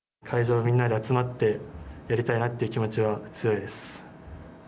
会場でみんなで集まって、やりたいなという気持ちは強いです。